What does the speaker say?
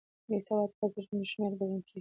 بې سواده کس ړوند شمېرل کېږي